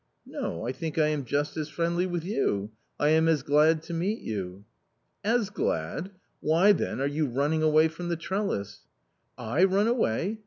No ; I think I am just as friendly with you; I am as glad to meet you." "As glad! why, then, are you running away from the trellis?" " I run away